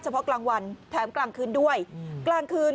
เพาะกลางวันแถมกลางคืนด้วยกลางคืน